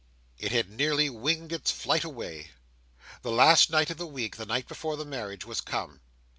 It had nearly winged its flight away. The last night of the week, the night before the marriage, was come.